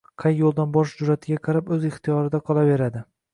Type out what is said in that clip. Qay yo‘ldan borish jur’atiga qarab o‘z ixtiyorida qolaveradi.